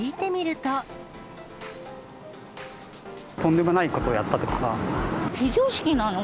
とんでもないことをやったとか。